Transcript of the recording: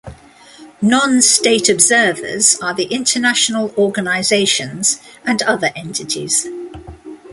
Non-state observers are the international organizations and other entities.